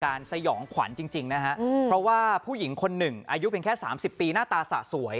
สยองขวัญจริงนะฮะเพราะว่าผู้หญิงคนหนึ่งอายุเพียงแค่๓๐ปีหน้าตาสะสวย